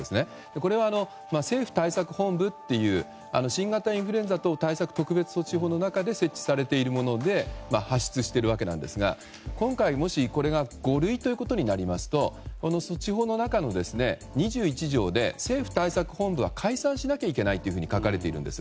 これは、政府対策本部という新型インフルエンザ等対策特別措置法の中で設置されているもので発出しているわけですが今回、もしこれが五類となりますと措置法の中の２１条で政府対策本部は解散しないといけないと書かれているんです。